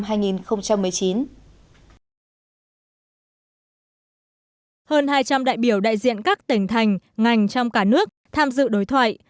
hơn hai trăm linh đại biểu đại diện các tỉnh thành ngành trong cả nước tham dự đối thoại